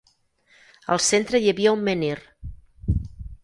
Al centre hi havia un menhir.